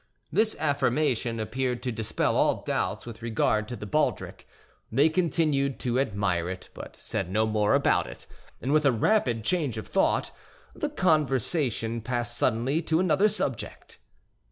This affirmation appeared to dispel all doubts with regard to the baldric. They continued to admire it, but said no more about it; and with a rapid change of thought, the conversation passed suddenly to another subject.